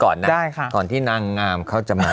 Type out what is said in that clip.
ก่อนจากที่นางงามเขาจะมา